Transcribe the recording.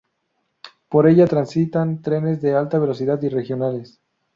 Por ella transitan trenes de alta velocidad y regionales.